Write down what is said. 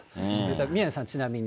宮根さん、ちなみに。